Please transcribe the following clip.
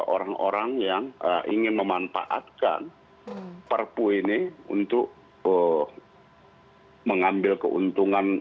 orang orang yang ingin memanfaatkan perpu ini untuk mengambil keuntungan